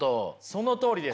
そのとおりです。